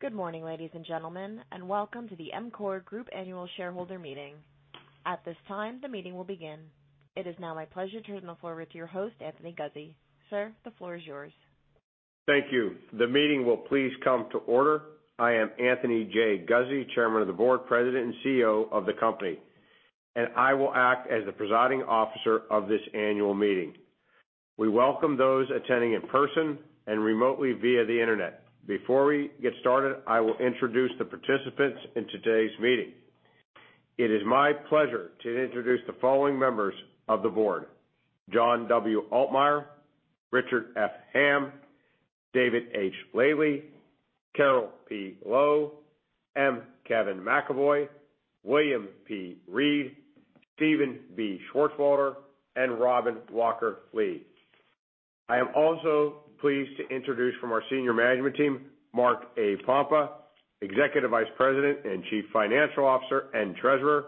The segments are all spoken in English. Good morning, ladies and gentlemen, and welcome to the EMCOR Group Annual Shareholder Meeting. At this time, the meeting will begin. It is now my pleasure to turn the floor over to your host, Anthony Guzzi. Sir, the floor is yours. Thank you. The meeting will please come to order. I am Anthony J. Guzzi, Chairman of the Board, President, and CEO of the Company, and I will act as the presiding officer of this annual meeting. We welcome those attending in person and remotely via the Internet. Before we get started, I will introduce the participants in today's meeting. It is my pleasure to introduce the following members of the Board: John W. Altmeyer, Richard F. Hamm, David H. Laidley, Carol P. Lowe, M. Kevin McEvoy, William P. Reid, Steven B. Schwarzwaelder, and Robin Walker-Lee. I am also pleased to introduce from our Senior Management Team, Mark A. Pompa, Executive Vice President and Chief Financial Officer and Treasurer,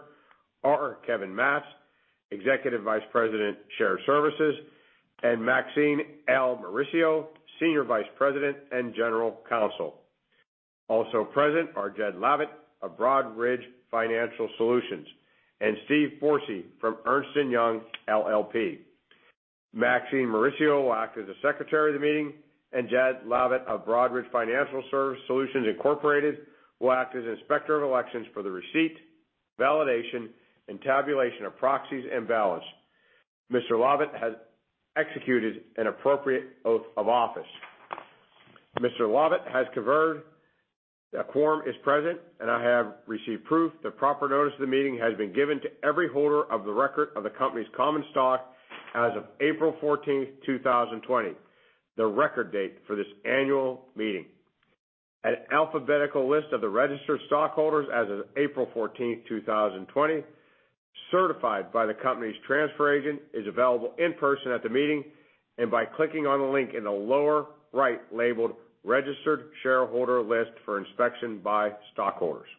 R. Kevin Matz, Executive Vice President, Shared Services, and Maxine L. Mauricio, Senior Vice President and General Counsel. Also present are Jed Lavitt of Broadridge Financial Solutions and Steve Forsey from Ernst & Young LLP. Maxine Mauricio will act as the Secretary of the meeting, and Jed Lavitt of Broadridge Financial Solutions Incorporated will act as Inspector of Elections for the receipt, validation, and tabulation of proxies and ballots. Mr. Lavitt has executed an appropriate oath of office. Mr. Lavitt has confirmed that a quorum is present, and I have received proof that proper notice of the meeting has been given to every holder of the record of the Company's common stock as of April 14, 2020, the record date for this annual meeting. An alphabetical list of the registered stockholders as of April 14, 2020, certified by the Company's transfer agent, is available in person at the meeting and by clicking on the link in the lower right labeled Registered Shareholder List for Inspection by Stockholders.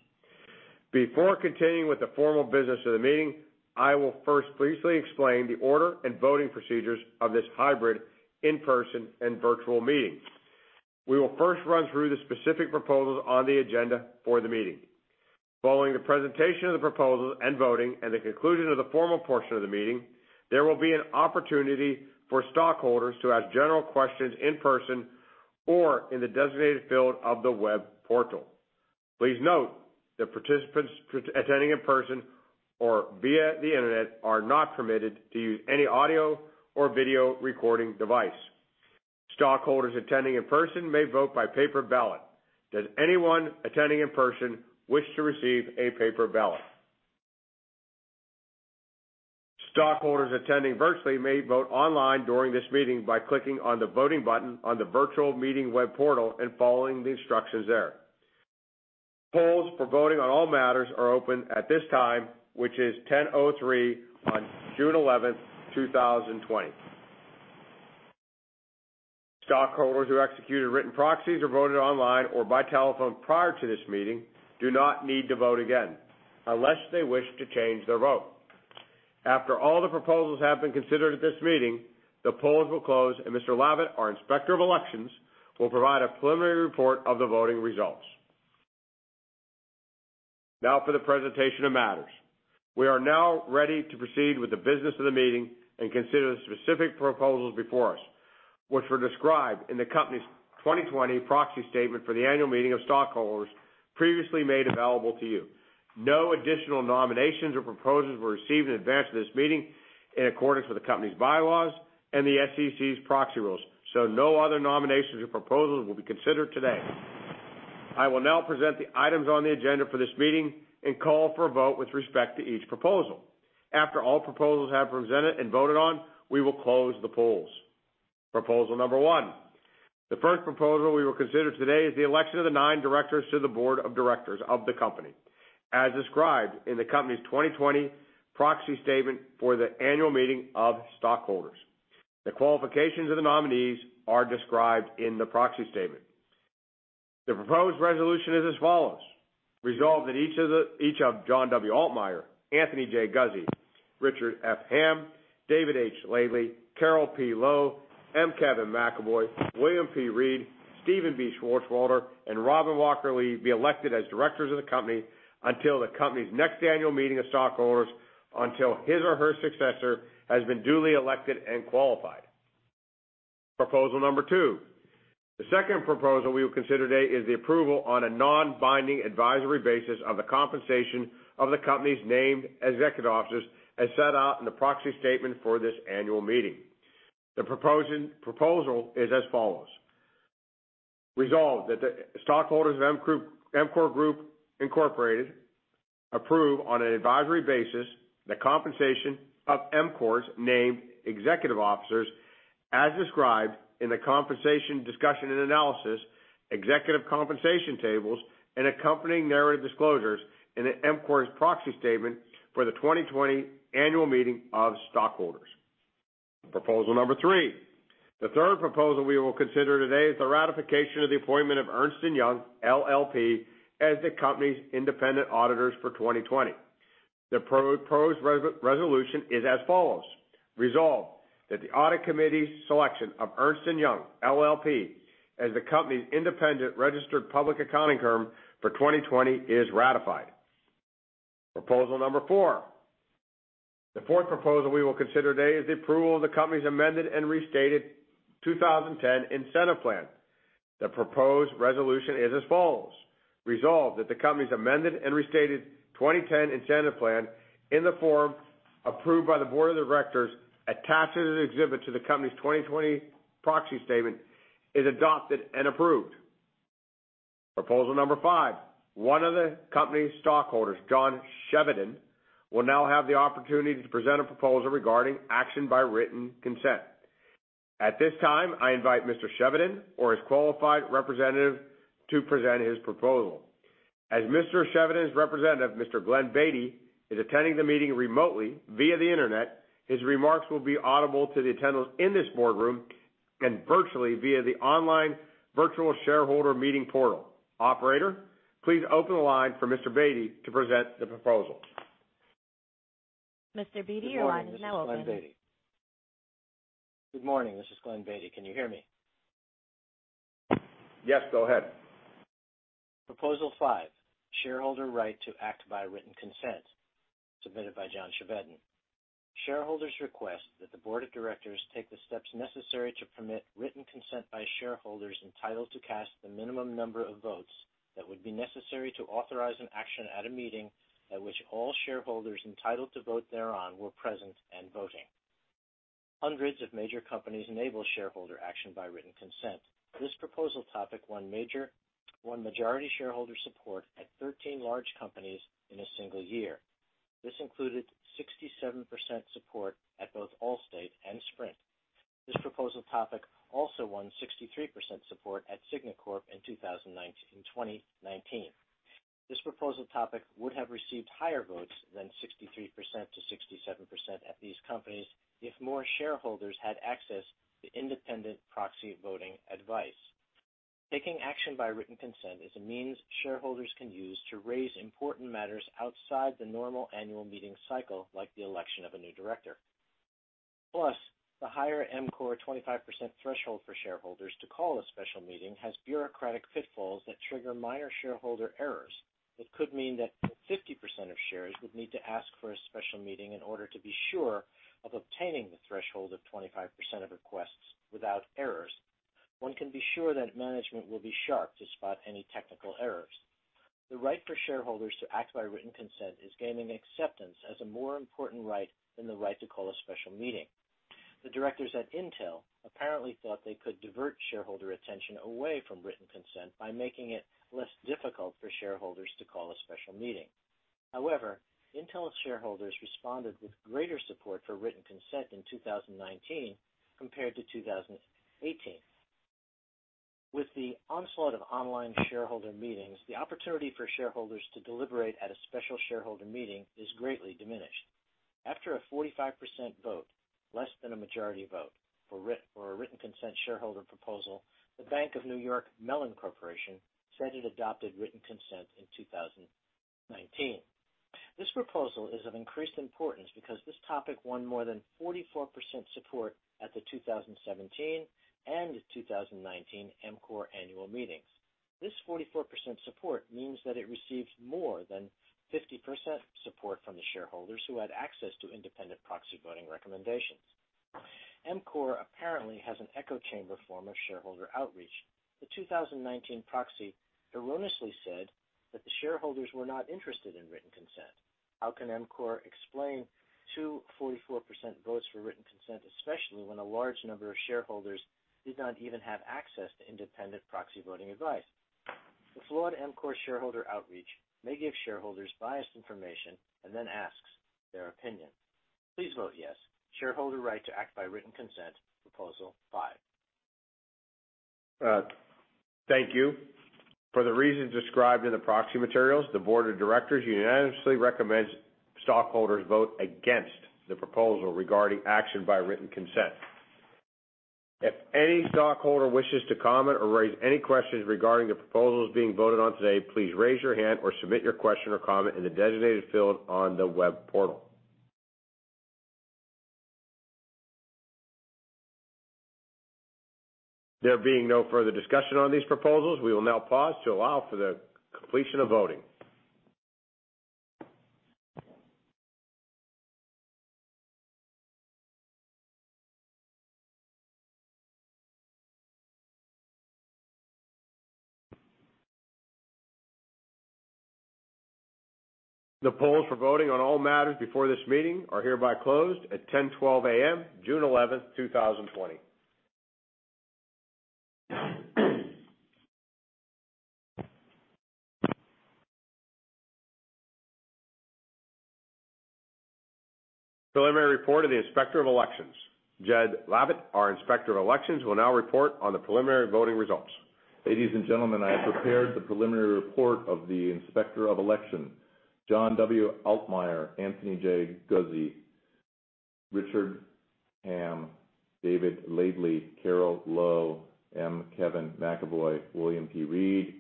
Before continuing with the formal business of the meeting, I will first briefly explain the order and voting procedures of this hybrid in-person and virtual meeting. We will first run through the specific proposals on the agenda for the meeting. Following the presentation of the proposals and voting and the conclusion of the formal portion of the meeting, there will be an opportunity for stockholders to ask general questions in person or in the designated field of the web portal. Please note that participants attending in person or via the internet are not permitted to use any audio or video recording device. Stockholders attending in person may vote by paper ballot. Does anyone attending in person wish to receive a paper ballot? Stockholders attending virtually may vote online during this meeting by clicking on the voting button on the virtual meeting web portal and following the instructions there. Polls for voting on all matters are open at this time, which is 10:03 on June 11th, 2020. Stockholders who executed written proxies or voted online or by telephone prior to this meeting do not need to vote again unless they wish to change their vote. After all the proposals have been considered at this meeting, the polls will close, and Mr. Lavitt, our Inspector of Elections, will provide a preliminary report of the voting results. Now for the presentation of matters. We are now ready to proceed with the business of the meeting and consider the specific proposals before us, which were described in the Company's 2020 proxy statement for the annual meeting of stockholders previously made available to you. No additional nominations or proposals were received in advance of this meeting in accordance with the Company's bylaws and the SEC's proxy rules, no other nominations or proposals will be considered today. I will now present the items on the agenda for this meeting and call for a vote with respect to each proposal. After all proposals have been presented and voted on, we will close the polls. Proposal number one. The first proposal we will consider today is the election of the nine Directors to the Board of Directors of the Company, as described in the Company's 2020 proxy statement for the annual meeting of stockholders. The qualifications of the nominees are described in the proxy statement. The proposed resolution is as follows. Resolved that each of John W. Altmeyer, Anthony J. Guzzi, Richard F. Hamm, David H. Laidley, Carol P. Lowe, M. Kevin McEvoy, William P. Reid, Steven B. Schwarzwaelder, and Robin Walker-Lee be elected as directors of the Company until the Company's next annual meeting of stockholders until his or her successor has been duly elected and qualified. Proposal number two. The second proposal we will consider today is the approval on a non-binding advisory basis of the compensation of the Company's named executive officers as set out in the proxy statement for this annual meeting. The proposal is as follows. Resolved that the stockholders of EMCOR Group Incorporated approve on an advisory basis the compensation of EMCOR's named executive officers as described in the compensation discussion and analysis, executive compensation tables, and accompanying narrative disclosures in EMCOR's proxy statement for the 2020 annual meeting of stockholders. Proposal number three. The third proposal we will consider today is the ratification of the appointment of Ernst & Young LLP as the Company's independent auditors for 2020. The proposed resolution is as follows. Resolved, that the audit committee's selection of Ernst & Young LLP as the Company's independent registered public accounting firm for 2020 is ratified. Proposal number four. The fourth proposal we will consider today is the approval of the Company's amended and restated 2010 Incentive Plan. The proposed resolution is as follows. Resolved, that the Company's amended and restated 2010 Incentive Plan, in the form approved by the Board of Directors, attached as an exhibit to the Company's 2020 proxy statement, is adopted and approved. Proposal number five. One of the Company's stockholders, John Chevedden, will now have the opportunity to present a proposal regarding action by written consent. At this time, I invite Mr. Chevedden or his qualified representative to present his proposal. As Mr. Chevedden's representative, Mr. Glenn Beatty, is attending the meeting remotely via the internet, his remarks will be audible to the attendees in this boardroom and virtually via the online virtual shareholder meeting portal. Operator, please open the line for Mr. Beatty to present the proposal. Mr. Beatty, your line is now open. Good morning. This is Glenn Beatty. Can you hear me? Yes, go ahead. Proposal five, shareholder right to act by written consent, submitted by John Chevedden. Shareholders request that the Board of Directors take the steps necessary to permit written consent by shareholders entitled to cast the minimum number of votes that would be necessary to authorize an action at a meeting at which all shareholders entitled to vote thereon were present and voting. Hundreds of major companies enable shareholder action by written consent. This proposal topic won majority shareholder support at 13 large companies in a single year. This included 67% support at both Allstate and Sprint. This proposal topic also won 63% support at Cigna Corp. In 2019. This proposal topic would have received higher votes than 63%-67% at these companies if more shareholders had access to independent proxy voting advice. Taking action by written consent is a means shareholders can use to raise important matters outside the normal annual meeting cycle, like the election of a new director. The higher EMCOR 25% threshold for shareholders to call a special meeting has bureaucratic pitfalls that trigger minor shareholder errors, which could mean that 50% of shares would need to ask for a special meeting in order to be sure of obtaining the threshold of 25% of requests without errors. One can be sure that management will be sharp to spot any technical errors. The right for shareholders to act by written consent is gaining acceptance as a more important right than the right to call a special meeting. The directors at Intel apparently thought they could divert shareholder attention away from written consent by making it less difficult for shareholders to call a special meeting. Intel shareholders responded with greater support for written consent in 2019 compared to 2018. With the onslaught of online shareholder meetings, the opportunity for shareholders to deliberate at a special shareholder meeting is greatly diminished. After a 45% vote, less than a majority vote for a written consent shareholder proposal, The Bank of New York Mellon Corporation said it adopted written consent in 2019. This proposal is of increased importance because this topic won more than 44% support at the 2017 and 2019 EMCOR annual meetings. This 44% support means that it received more than 50% support from the shareholders who had access to independent proxy voting recommendations. EMCOR apparently has an echo chamber form of shareholder outreach. The 2019 proxy erroneously said that the shareholders were not interested in written consent. How can EMCOR explain two 44% votes for written consent, especially when a large number of shareholders did not even have access to independent proxy voting advice? The flawed EMCOR shareholder outreach may give shareholders biased information and then asks their opinion. Please vote yes. Shareholder right to act by written consent, proposal five. Thank you. For the reasons described in the proxy materials, the Board of Directors unanimously recommends stockholders vote against the proposal regarding action by written consent. If any stockholder wishes to comment or raise any questions regarding the proposals being voted on today, please raise your hand or submit your question or comment in the designated field on the web portal. There being no further discussion on these proposals, we will now pause to allow for the completion of voting. The polls for voting on all matters before this meeting are hereby closed at 10:12 A.M., June 11, 2020. Preliminary report of the Inspector of Elections. Jed Lavitt, our Inspector of Elections, will now report on the preliminary voting results. Ladies and gentlemen, I have prepared the preliminary report of the Inspector of Election. John W. Altmeyer, Anthony J. Guzzi, Richard Hamm, David Laidley, Carol Lowe, M. Kevin McEvoy, William P. Reid,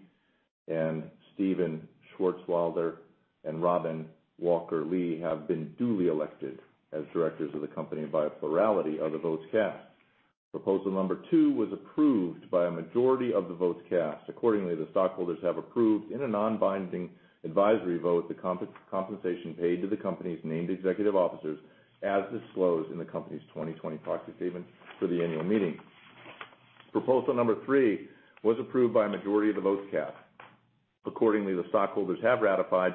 Steven Schwarzwaelder and Robin Walker-Lee have been duly elected as directors of the Company by a plurality of the votes cast. Proposal number two was approved by a majority of the votes cast. Accordingly, the stockholders have approved, in a non-binding advisory vote, the compensation paid to the Company's named executive officers as disclosed in the Company's 2020 proxy statement for the annual meeting. Proposal number three was approved by a majority of the votes cast. Accordingly, the stockholders have ratified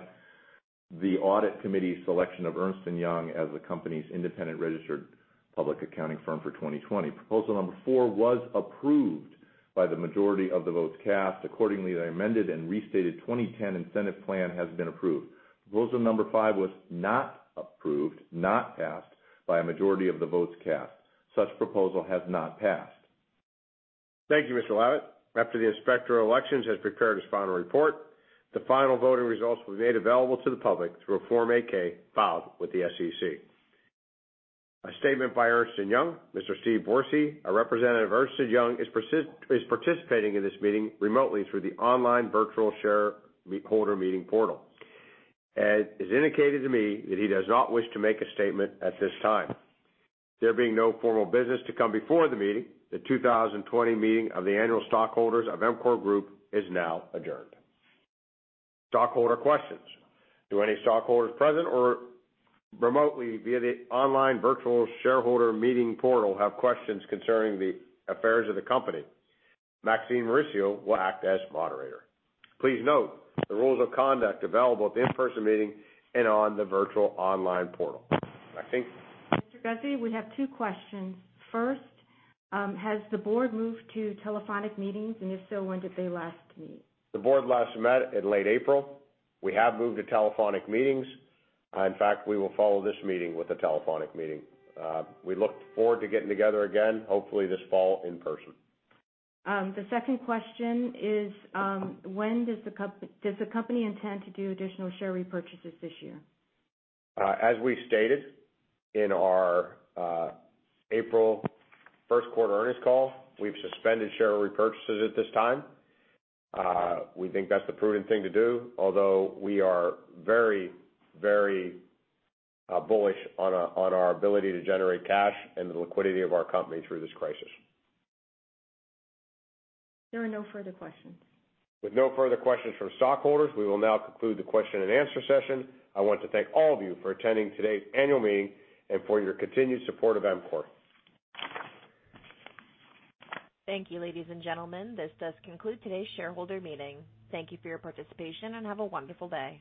the audit committee's selection of Ernst & Young as the Company's independent registered public accounting firm for 2020. Proposal number four was approved by the majority of the votes cast. Accordingly, the amended and restated 2010 Incentive Plan has been approved. Proposal number five was not approved, not passed by a majority of the votes cast. Such proposal has not passed. Thank you, Mr. Lavitt. After the Inspector of Elections has prepared his final report, the final voting results will be made available to the public through a Form 8-K filed with the SEC. A statement by Ernst & Young. Mr. Steve Forsey, a representative of Ernst & Young, is participating in this meeting remotely through the online virtual shareholder meeting portal. It is indicated to me that he does not wish to make a statement at this time. There being no formal business to come before the meeting, the 2020 meeting of the annual stockholders of EMCOR Group is now adjourned. Stockholder questions. Do any stockholders present or remotely via the online virtual shareholder meeting portal have questions concerning the affairs of the Company? Maxine Mauricio will act as moderator. Please note the rules of conduct available at the in-person meeting and on the virtual online portal. Maxine? Mr. Guzzi, we have two questions. First, has the Board moved to telephonic meetings, and if so, when did they last meet? The Board last met in late April. We have moved to telephonic meetings. In fact, we will follow this meeting with a telephonic meeting. We look forward to getting together again, hopefully, this fall in person. The second question is, does the Company intend to do additional share repurchases this year? As we stated in our April first quarter earnings call, we've suspended share repurchases at this time. We think that's the prudent thing to do, although we are very bullish on our ability to generate cash and the liquidity of our Company through this crisis. There are no further questions. With no further questions from stockholders, we will now conclude the question-and-answer session. I want to thank all of you for attending today's annual meeting and for your continued support of EMCOR. Thank you, ladies and gentlemen. This does conclude today's shareholder meeting. Thank you for your participation, and have a wonderful day.